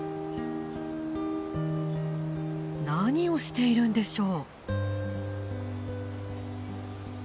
何をしているんでしょう？